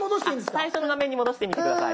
最初の画面に戻してみて下さい。